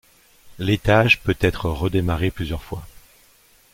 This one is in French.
L'étage peut être redémarré plusieurs fois.